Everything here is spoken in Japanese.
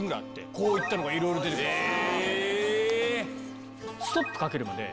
こういったのがいろいろ出てくるんです。